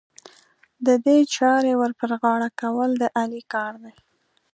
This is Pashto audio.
د دې چارې ور پر غاړه کول، د علي کار دی.